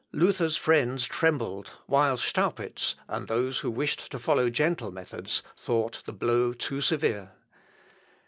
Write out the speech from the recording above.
Luther's friends trembled, while Staupitz, and those who wished to follow gentle methods, thought the blow too severe.